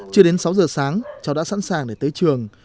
chưa đến sáu giờ sáng cháu đã sẵn sàng để tới trường